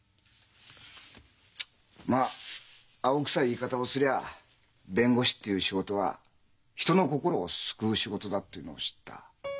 まあ青臭い言い方をすりゃ弁護士っていう仕事は人の心を救う仕事だっていうのを知った。